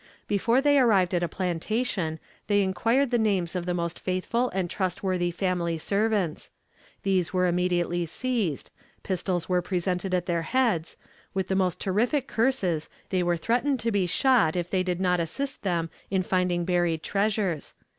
Before they arrived at a plantation, they inquired the names of the most faithful and trustworthy family servants; these were immediately seized, pistols were presented at their heads; with the most terrific curses, they were threatened to be shot if they did not assist them in finding buried treasures.